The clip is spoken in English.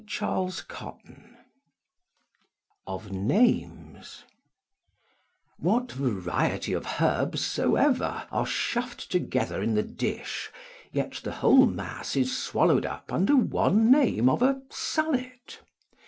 CHAPTER XLVI OF NAMES What variety of herbs soever are shufed together in the dish, yet the whole mass is swallowed up under one name of a sallet.